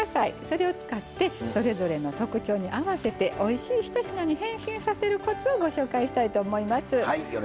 それを使ってそれぞれの特徴に合わせておいしい１品に変身させるコツをご紹介したいと思います。